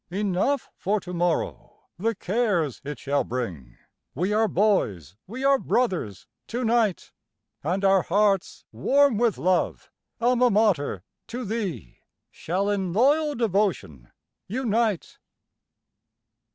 Enough for to morrow the cares it shall bring, We are boys, we are brothers, to night; And our hearts, warm with love, Alma Mater, to thee, Shall in loyal devotion unite.